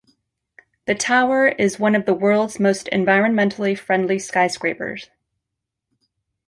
The Tower is one of the world's most environmentally friendly skyscrapers.